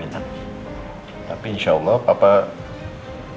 tapi insya allah bapak